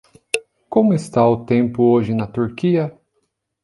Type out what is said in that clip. Como está o tempo hoje na Turquia?